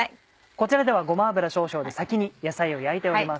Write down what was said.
こちらではごま油少々で先に野菜を焼いております。